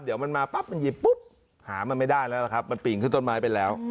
เดี๋ยวมันมาปั๊บมันหยิบปุ๊บหามันไม่ได้แล้วล่ะครับมันปีนขึ้นต้นไม้ไปแล้ว